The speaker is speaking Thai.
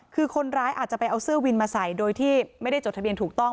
คือคนร้ายอาจจะไปเอาเสื้อวินมาใส่โดยที่ไม่ได้จดทะเบียนถูกต้อง